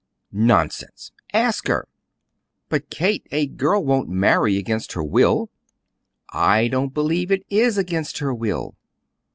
"Nonsense! Ask her." "But Kate, a girl won't marry against her will!" "I don't believe it is against her will."